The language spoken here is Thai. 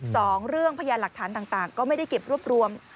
สองเรื่องพยานหลักฐานต่างก็ไม่ได้เก็บรวบรวม